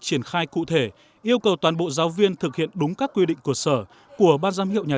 triển khai cụ thể yêu cầu toàn bộ giáo viên thực hiện đúng các quy định của sở của ban giám hiệu nhà